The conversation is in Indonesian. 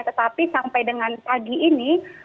tetapi sampai dengan pagi ini